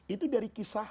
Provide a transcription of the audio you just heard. itu dari yang terakhir